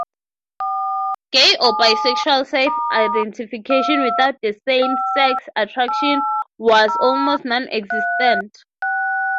Gay or bisexual self-identification without same-sex attraction was almost non-existent.